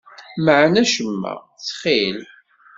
Mɛen acemma, ttxil.